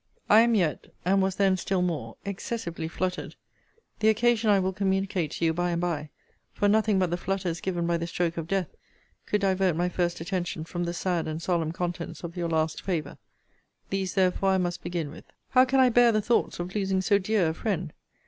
I am yet (and was then still more) excessively fluttered. The occasion I will communicate to you by and by: for nothing but the flutters given by the stroke of death could divert my first attention from the sad and solemn contents of your last favour. These therefore I must begin with. How can I bear the thoughts of losing so dear a friend!